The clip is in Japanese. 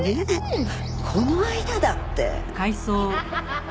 この間だって。